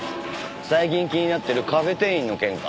最近気になってるカフェ店員の件か？